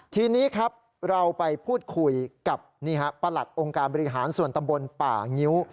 ทีนี้ครับเราไปพูดคุยกับประหลัดองค์การบริหารส่วนตำบลป่างิ้ว